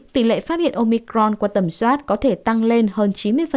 tỷ lệ phát hiện omicron qua tầm soát có thể tăng lên hơn chín mươi